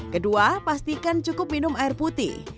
kedua pastikan cukup minum air putih